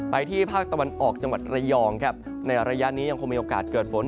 ที่ภาคตะวันออกจังหวัดระยองครับในระยะนี้ยังคงมีโอกาสเกิดฝน